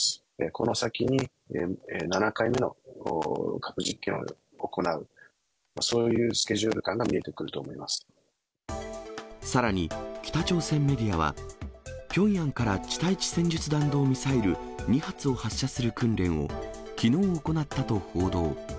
この先に７回目の核実験を行う、そういうスケジュール感が見えてさらに、北朝鮮メディアは、ピョンヤンから地対地戦術弾道ミサイル２発を発射する訓練をきのう行ったと報道。